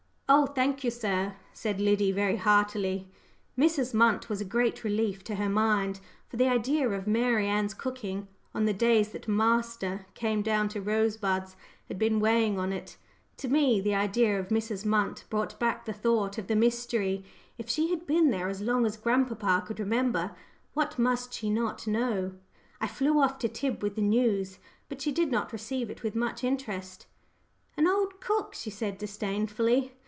"Oh, thank you, sir," said Liddy very heartily. Mrs. Munt was a great relief to her mind, for the idea of Mary Ann's cooking on the days that "master" came down to Rosebuds had been weighing on it. To me the idea of Mrs. Munt brought back the thought of the mystery. If she had been there as long as grandpapa could remember, what must she not know? I flew off to Tib with the news, but she did not receive it with much interest. "An old cook!" she said disdainfully.